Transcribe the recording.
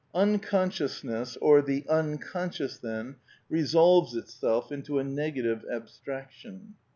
z "Unconsciousness" or the Unconscious," then, re /^ solves itself into a negative abstraction.